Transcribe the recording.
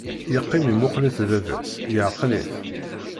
Yeqqim imuqel-it baba-s, iɛqel-it.